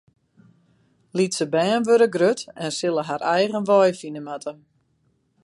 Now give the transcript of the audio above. Lytse bern wurde grut en sille har eigen wei fine moatte.